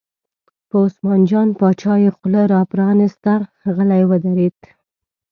په عثمان جان باچا یې خوله را پرانسته، غلی ودرېد.